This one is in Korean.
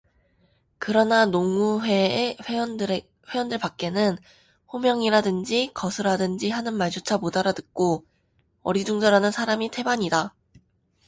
그러나 농우회의 회원들밖에는 호명이라든지 거수라든지 하는 말조차 못 알아듣고 어리둥절하는 사람이 태반이다.